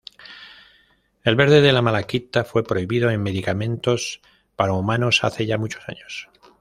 El verde de malaquita fue prohibido en medicamentos para humanos hace ya muchos años.